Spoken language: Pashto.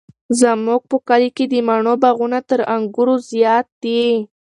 زموږ په کلي کې د مڼو باغونه تر انګورو زیات دي.